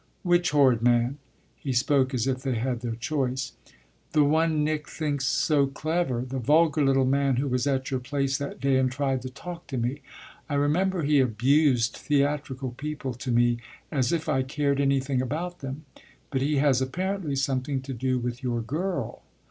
"Which horrid man?" he spoke as if they had their choice. "The one Nick thinks so clever the vulgar little man who was at your place that day and tried to talk to me. I remember he abused theatrical people to me as if I cared anything about them. But he has apparently something to do with your girl."